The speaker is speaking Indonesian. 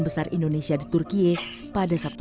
pijak nyantai perfect